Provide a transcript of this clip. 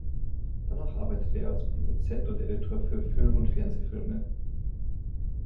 Danach arbeitete er als Produzent und Editor für Film- und Fernsehfilme.